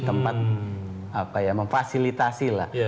tempat apa ya memfasilitasi lah